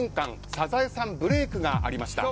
サザエさんブレークがありました。